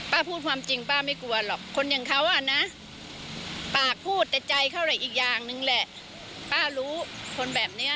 พูดความจริงป้าไม่กลัวหรอกคนอย่างเขาอ่ะนะปากพูดแต่ใจเขาแหละอีกอย่างหนึ่งแหละป้ารู้คนแบบนี้